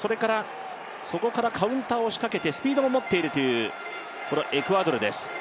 そこからカウンターを仕掛けてスピードを持っているというこのエクアドルです。